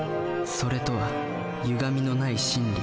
「それ」とはゆがみのない真理。